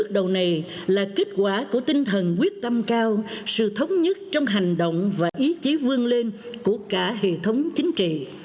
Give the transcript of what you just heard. đầu này là kết quả của tinh thần quyết tâm cao sự thống nhất trong hành động và ý chí vương lên của cả hệ thống chính trị